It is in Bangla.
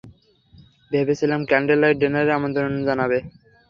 ভেবেছিলাম ক্যান্ডেল লাইট ডিনারের আমন্ত্রণ জানাবে।